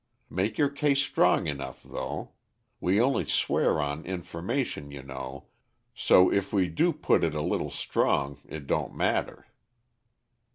Make your case strong enough, though. We only swear on information, you know, so if we do put it a little strong it don't matter.